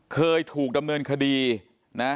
เคยถูกดำเนินคดีนะ